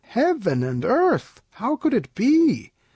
Heaven and earth! How could it be?